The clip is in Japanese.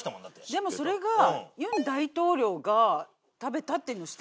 でもそれが尹大統領が食べたっていうの知ってましたか？